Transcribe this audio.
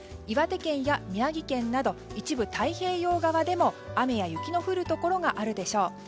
岩手県や宮城県など一部太平洋側でも雨や雪の降るところがあるでしょう。